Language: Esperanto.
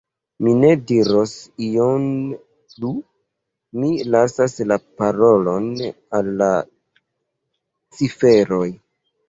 Mi ne diros ion plu; mi lasas la parolon al la ciferoj.